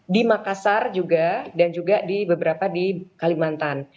di makassar juga dan juga di beberapa di kalimantan